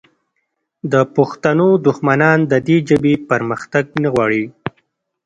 د پښتنو دښمنان د دې ژبې پرمختګ نه غواړي